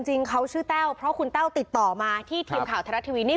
จริงเขาชื่อแต้วเพราะคุณแต้วติดต่อมาที่ทีมข่าวไทยรัฐทีวีนี่